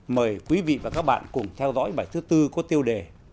mời quý vị và các bạn cùng theo dõi bài thứ tư có tiêu đề